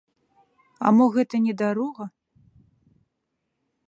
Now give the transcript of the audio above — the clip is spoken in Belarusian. А мо гэта не дарога?